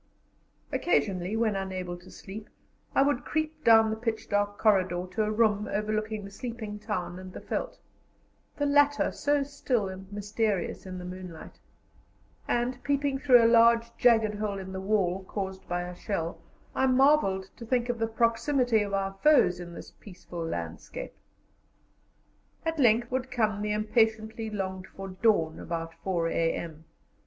Occasionally, when unable to sleep, I would creep down the pitch dark corridor to a room overlooking the sleeping town and the veldt, the latter so still and mysterious in the moonlight, and, peeping through a large jagged hole in the wall caused by a shell, I marvelled to think of the proximity of our foes in this peaceful landscape. At length would come the impatiently longed for dawn about 4 a.m.